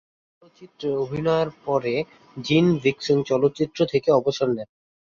এই চলচ্চিত্রে অভিনয়ের পরে জিন ডিক্সন চলচ্চিত্র থেকে অবসর নেন।